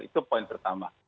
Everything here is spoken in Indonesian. itu poin pertama